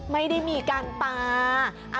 ไม่ได้มีการปลา